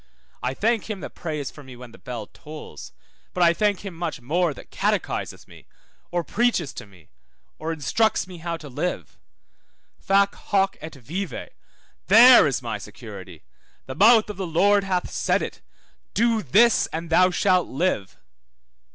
I thank him that prays for me when the bell tolls, but I thank him much more that catechises me, or preaches to me, or instructs me how to live. Fac hoc et vive, there is my security, the mouth of the Lord hath said it, do this and thou shalt live.